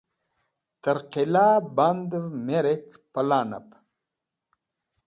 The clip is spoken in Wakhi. Tẽr qila bandẽv me rec̃h pẽlanẽb